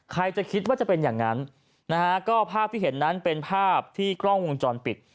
ใครจะคิดว่าจะเป็นอย่างนั้นนะฮะก็ภาพที่เห็นนั้นเป็นภาพที่กล้องวงจรปิด